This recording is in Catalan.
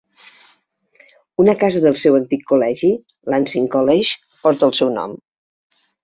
Una casa del seu antic col·legi Lancing College porta el seu nom.